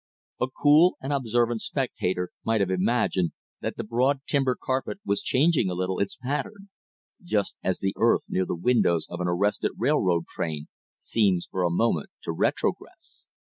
A cool and observant spectator might have imagined that the broad timber carpet was changing a little its pattern, just as the earth near the windows of an arrested railroad train seems for a moment to retrogress.